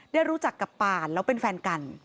ได้รู้จักกับปานแล้วเป็นแฟนกัน